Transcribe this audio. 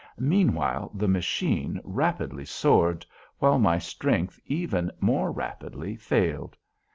Meanwhile the machine rapidly soared, while my strength even more rapidly failed.